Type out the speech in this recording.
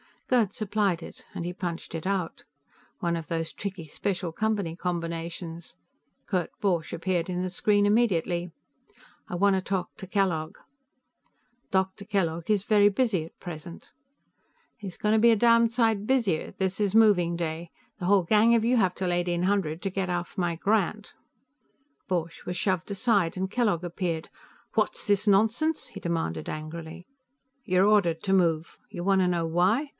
Gerd supplied it, and he punched it out. One of those tricky special Company combinations. Kurt Borch appeared in the screen immediately. "I want to talk to Kellogg." "Doctor Kellogg is very busy, at present." "He's going to be a damned sight busier; this is moving day. The whole gang of you have till eighteen hundred to get off my grant." Borch was shoved aside, and Kellogg appeared. "What's this nonsense?" he demanded angrily. "You're ordered to move. You want to know why?